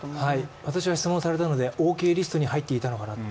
私は質問されたのでオーケーリストに入っていたのかなと。